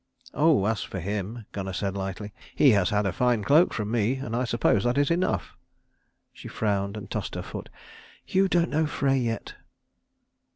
"Oh, as for him," Gunnar said lightly, "he has had a fine cloak from me, and I suppose that is enough." She frowned, and tossed her foot. "You don't know Frey yet."